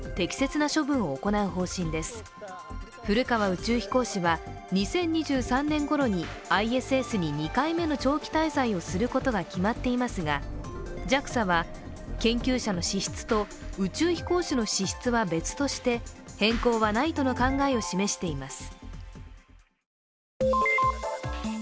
宇宙飛行士は２０２３年ごろにＩＳＳに２回目の長期滞在をすることが決まっていますがＪＡＸＡは、研究者の資質と宇宙飛行士の資質は別として変更はないとの考えを示しています。